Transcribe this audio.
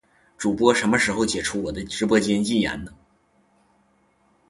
主播什么时候解除我的直播间禁言啊